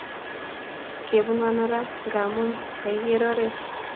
Kepunu ano raa Ngamun kakiker oret